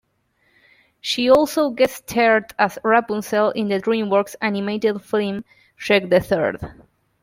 She also guest-starred as Rapunzel in the DreamWorks animated film "Shrek the Third".